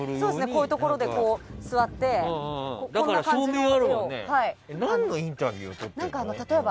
こういうところで座ってこんな感じの画を。